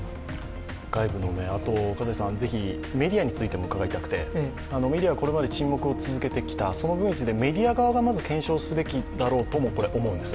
外部の目、あとメディアについても伺いたくて、メディアはこれまで沈黙を続けてきた、その中でメディア側が検証すべきだろうとも思うんです。